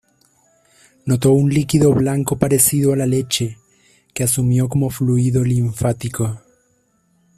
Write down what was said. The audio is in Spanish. Notó un líquido blanco parecido a la leche, que asumió como fluido linfático.